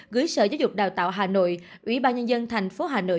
gửi sở giáo dục đào tạo hà nội ủy ban nhân dân thành phố hà nội